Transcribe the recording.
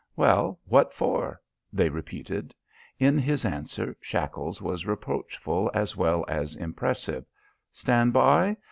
"Well, what for?" they repeated. In his answer Shackles was reproachful as well as impressive. "Stand by?